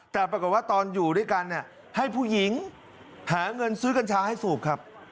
แต่ปรากฏว่าตอนอยู่ด้วยกันให้ผู้หญิงหาเงินซื้อกัญชาให้สูบครับ